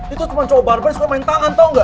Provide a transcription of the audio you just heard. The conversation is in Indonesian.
itu cuma cowok barbar yang suka main tangan tau gak